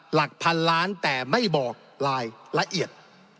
หลักพันล้านแต่ไม่บอกรายละเอียด